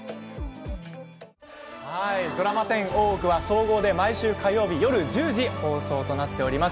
ドラマ１０「大奥」は総合で毎週火曜日夜１０時放送となっています。